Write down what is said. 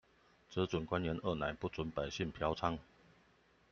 只準官員二奶，不準百姓嫖娼